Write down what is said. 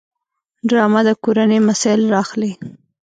ډرامه د کورنۍ مسایل راخلي